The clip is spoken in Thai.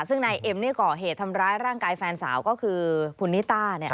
ซึ่งนายเอ็มนี่ก่อเหตุทำร้ายร่างกายแฟนสาวก็คือคุณนิต้า